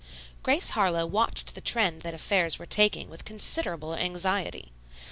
Grace Harlowe watched the trend that affairs were taking with considerable anxiety.